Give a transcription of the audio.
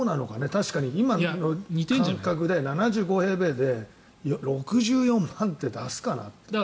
確かに今の感覚で７５平米で６４万って出すかなって。